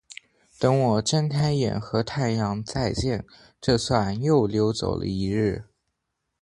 等我睁开眼和太阳再见，这算又溜走了一日。